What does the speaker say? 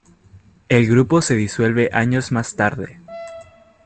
El grupo se disuelve años más tarde.